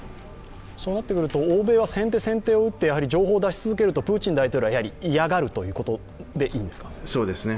そうなってくると、欧米は先手先手で情報を出し続けるとプーチン大統領は嫌がるということでいいんですか？